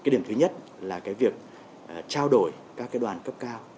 điểm thứ nhất là việc trao đổi các đoàn cấp cao